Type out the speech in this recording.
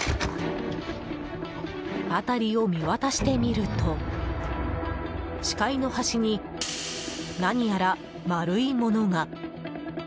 辺りを見渡してみると視界の端に、何やら丸いものが。